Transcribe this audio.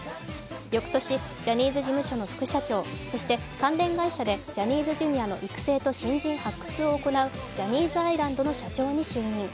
翌年、ジャニーズ事務所の副社長、そして関連会社でジャニーズＪｒ．の育成と新人発掘を行うジャニーズアイランドの社長に就任。